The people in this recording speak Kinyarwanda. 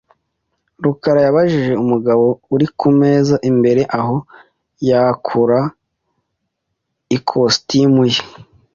rukara yabajije umugabo uri kumeza imbere aho yakura ikositimu ye .